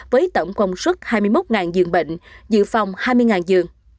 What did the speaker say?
với tổng công suất hai mươi một dương bệnh dự phòng hai mươi dương